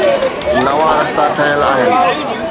نوان رستا ٺهيل آهن.